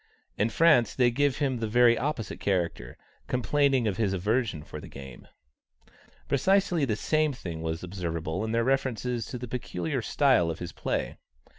In France they give him the very opposite character, complaining of his aversion for the game. Precisely the same thing was observable in their references to the peculiar style of his play.